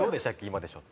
「今でしょ！」